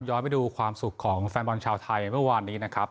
ไปดูความสุขของแฟนบอลชาวไทยเมื่อวานนี้นะครับ